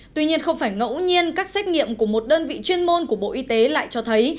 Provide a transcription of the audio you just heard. tuy nhiên không phải ngẫu nhiên các xét nghiệm của một đơn vị chuyên môn của bộ y tế lại cho thấy